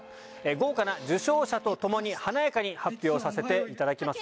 豪華な受賞者と共に華やかに発表させていただきます。